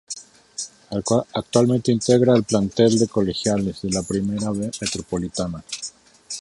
Actualmente integra el plantel del Colegiales, de la Primera B Metropolitana.